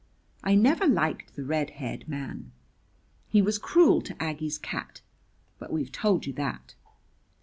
I never liked the red haired man. He was cruel to Aggie's cat but we've told you that.